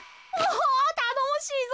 おたのもしいぞ。